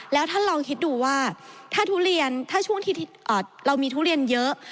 แล้วท่านลองคิดดูว่าถ้าทุเรียนทุเรียนเยอะ